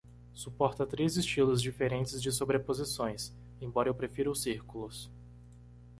Suporta três estilos diferentes de sobreposições?, embora eu prefira os círculos.